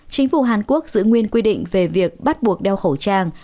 chính phủ hàn quốc giữ nguyên quy định về việc bắt buộc đeo khẩu trang